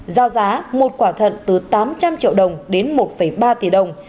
giao giá một quả thận từ tám trăm linh triệu đồng đến một ba tỷ đồng